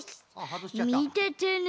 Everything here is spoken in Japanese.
みててね！